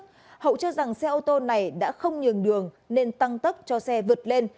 nguyễn hậu cho rằng xe ô tô này đã không nhường đường nên tăng tốc cho xe vượt lên